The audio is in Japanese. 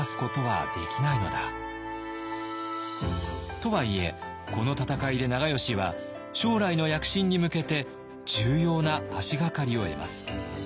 とはいえこの戦いで長慶は将来の躍進に向けて重要な足がかりを得ます。